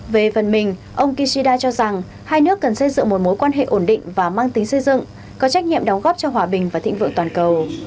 về phần mình ông kishida cho rằng hai nước cần xây dựng một mối quan hệ ổn định và mang tính xây dựng có trách nhiệm đóng góp cho hòa bình và thịnh vượng toàn cầu